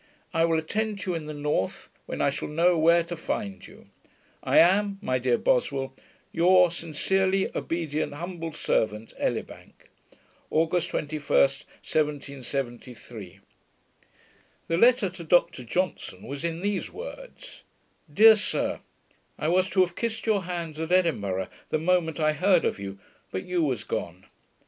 I will attend you in the north, when I shall know where to find you. I am, My dear Boswell, Your sincerely Obedient humble servant, ELIBANK. August 21st, 1773. The letter to Dr Johnson was in these words: Dear Sir, I was to have kissed your hands at Edinburgh, the moment I heard of you; but you were gone.